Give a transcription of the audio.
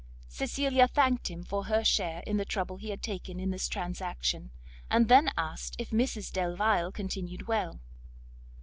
Cecilia thanked him for her share in the trouble he had taken in this transaction; and then asked if Mrs Delvile continued well.